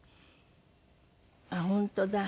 あっ本当だ。